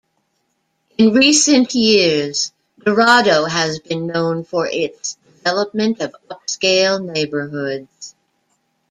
In recent years, Dorado has been known for its development of upscale neighborhoods.